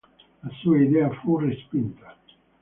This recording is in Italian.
La sua idea fu respinta.